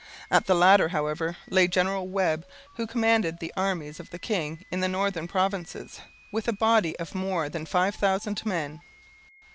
At the latter, however, lay General Webb, who commanded the armies of the king in the northern provinces, with a body of more than five thousand men.